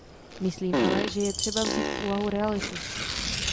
Myslím ale, že je třeba vzít v úvahu realitu.